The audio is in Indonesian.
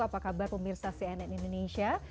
apa kabar pemirsa cnn indonesia